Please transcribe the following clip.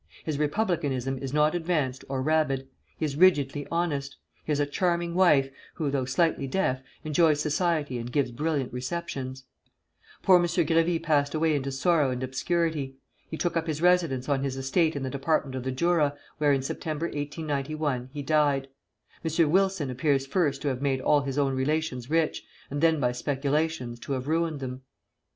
His republicanism is not advanced or rabid. He is rigidly honest. He has a charming wife, who, though slightly deaf, enjoys society and gives brilliant receptions. [Footnote 1: See Robespierre's in the "Editor's Drawer," Harper's Magazine, 1889.] Poor M. Grévy passed away into sorrow and obscurity. He took up his residence on his estate in the Department of the Jura, where, in September, 1891, he died. M. Wilson appears first to have made all his own relations rich, and then by speculations to have ruined them.